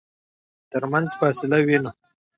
ترمنځ فاصله وينو.